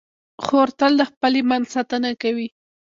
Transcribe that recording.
خور تل د خپل ایمان ساتنه کوي.